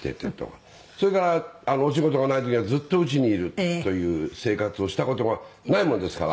それからお仕事がない時にはずっと家にいるという生活をした事がないもんですから。